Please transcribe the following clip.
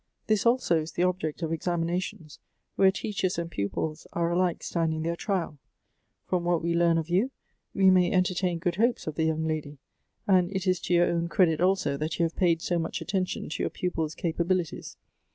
This also is the object of examinations, where teachers and pupils are alike standing their trial. From what we learn of you, we may entertain good hopes of the young lady, and it is to your own credit also that you have paid so much attention to your pupils capabilities.